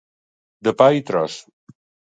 De pa i tros.